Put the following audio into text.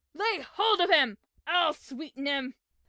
Lay hold of him! I'll sweeten him!"